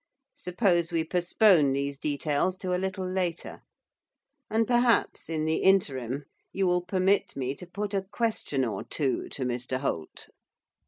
Suppose we postpone these details to a little later. And perhaps, in the interim, you will permit me to put a question or two to Mr Holt.